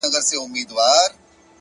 هره تجربه د ځان پېژندنې هنداره ده,